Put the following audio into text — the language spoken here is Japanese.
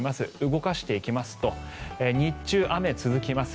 動かしていきますと日中、雨が続きます。